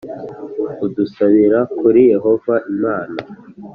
udusabira kuri Yehova Imana